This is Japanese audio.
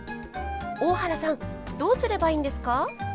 大原さんどうすればいいんですか？